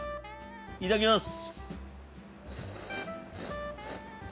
いただきます。